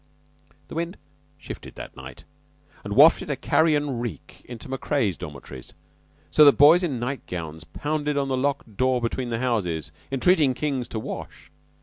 The wind shifted that night and wafted a carrion reek into Macrea's dormitories; so that boys in nightgowns pounded on the locked door between the houses, entreating King's to wash.